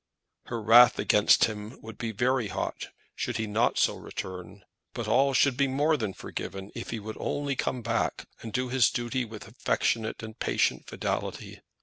Her wrath against him would be very hot should he not so return; but all should be more than forgiven if he would only come back, and do his duty with affectionate and patient fidelity.